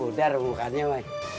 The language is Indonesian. udah renungannya ma